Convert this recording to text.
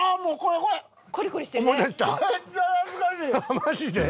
マジで？